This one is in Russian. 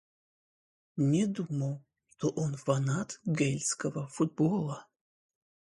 Не думал, что он фанат гэльского футбола.